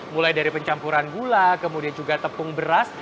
mulai dari pencampuran gula kemudian juga tepung beras